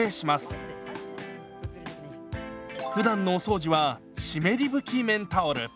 ふだんのお掃除は湿り拭き綿タオル。